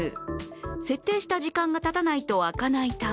設定した時間がたたないと開かないため